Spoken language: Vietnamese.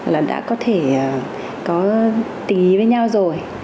là đã có thể có tình ý với nhau rồi